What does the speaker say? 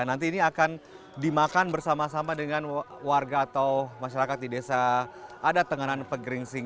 nanti ini akan dimakan bersama sama dengan warga atau masyarakat di desa ada tenganan pegeringsing